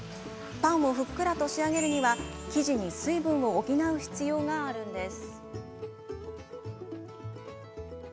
パンをふっくらと仕上げるには生地に水分を補う必要があるんです。